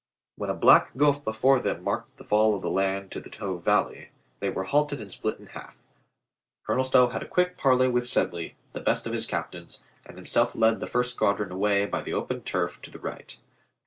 When a black gulf before them marked the fall of the land to the Tove Valley they were halted and split in half. Colonel Stow had a quick parley with Sedley, the best of his captains, and himself led the first squadron away by the open turf to the COLONFX RICH IS INTERRUPTED 311 right.